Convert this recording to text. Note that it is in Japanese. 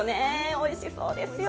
おいしそうですよ。